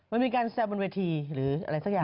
มันมีการแซวบนเวทีหรืออะไรสักอย่าง